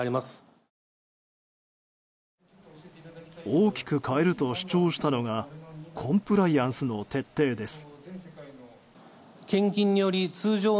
大きく変えると主張したのがコンプライアンスの徹底です。